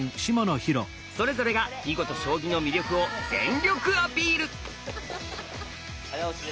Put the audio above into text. それぞれが囲碁と将棋の魅力を全力アピール！